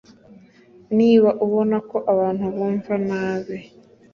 niba ubona ko abantu bumva nabi